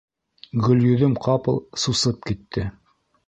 Гөлйөҙөм ҡапыл сусып китте.